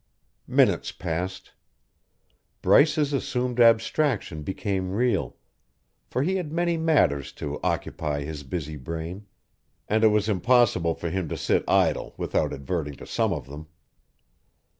Minutes passed. Bryce's assumed abstraction became real, for he had many matters to occupy his busy brain, and it was impossible for him to sit idle without adverting to some of them.